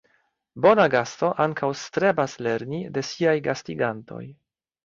Bona gasto ankaŭ strebas lerni de siaj gastigantoj.